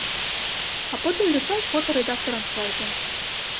А потым даслаць фота рэдактарам сайта.